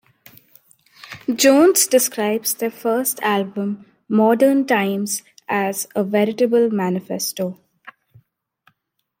Jones describes their first album "Modern Times" as "a veritable manifesto".